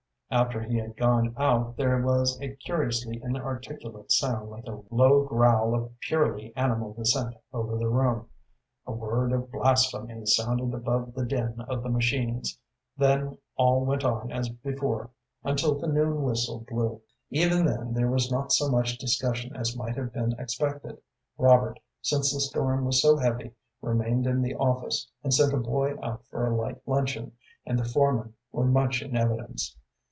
After he had gone out there was a curiously inarticulate sound like a low growl of purely animal dissent over the room; a word of blasphemy sounded above the din of the machines. Then all went on as before until the noon whistle blew. Even then there was not so much discussion as might have been expected. Robert, since the storm was so heavy, remained in the office, and sent a boy out for a light luncheon, and the foremen were much in evidence.